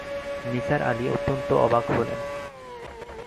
নিসার আলি অত্যন্ত অবাক হলেন।